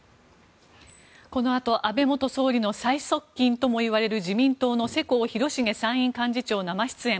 このあと安倍元総理の最側近ともいわれる自民党の世耕弘成参院幹事長生出演。